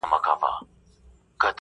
ملت ته یې مخې ته کېږدو